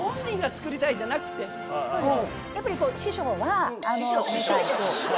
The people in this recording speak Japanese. そうです。